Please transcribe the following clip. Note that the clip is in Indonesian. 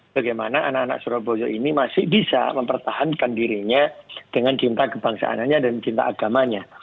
bagaimana anak anak surabaya ini masih bisa mempertahankan dirinya dengan cinta kebangsaannya dan cinta agamanya